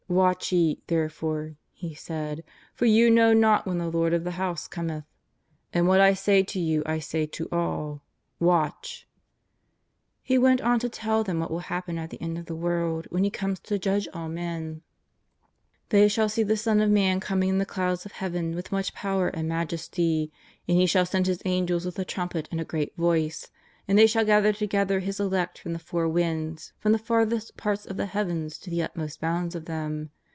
" Watch ye, therefore,'' He said, " for you know not when the lord of the house cometh. And what I say to you I say to all :^ Watch !'" He went on to tell them what will happen at the end of the world when He comes to judge all men: " They shall see the Son of Man coming in the clouds of Heaven with much power and majesty. And He shall send His Angels with a trumpet and a great voice ; and they shall gather together His elect from the four winds, from the farthest parts of the heavens to the ut» most bounds of them.